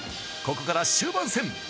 ここから終盤戦！